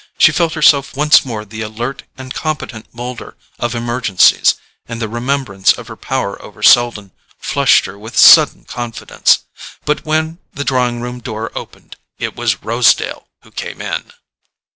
She felt herself once more the alert and competent moulder of emergencies, and the remembrance of her power over Selden flushed her with sudden confidence. But when the drawing room door opened it was Rosedale who came in.